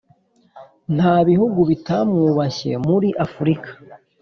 nta bihugu bitamwubashye muri afurika.